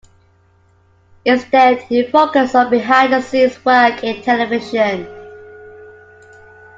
Instead he focused on behind-the-scenes work in television.